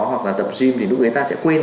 hoặc là tập gym thì lúc đấy ta sẽ quên